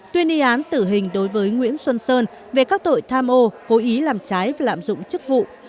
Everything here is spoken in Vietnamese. tuyên y án tử hình đối với nguyễn xuân sơn về các tội tham ô cố ý làm trái và lạm dụng chức vụ